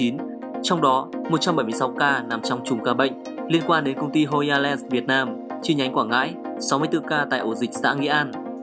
trong đó một trăm bảy mươi sáu ca nằm trong chùm ca bệnh liên quan đến công ty hoyallence việt nam chi nhánh quảng ngãi sáu mươi bốn ca tại ổ dịch xã nghĩa an